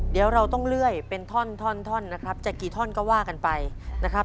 เดี๋ยวเราต้องเลื่อยเป็นท่อนนะครับจะกี่ท่อนก็ว่ากันไปนะครับ